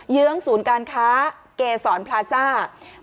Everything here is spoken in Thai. เยื้องศูนย์การค้าเกษรพลาซ่า